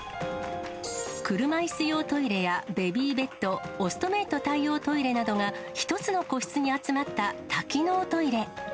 車いす用トイレやベビーベッド、オストメイト対応トイレなどが、１つの個室に集まった多機能トイレ。